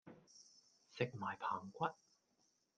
食埋棚骨